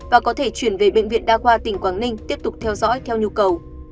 và có thể chuyển về bệnh viện đa khoa tỉnh quảng ninh tiếp tục theo dõi theo nhu cầu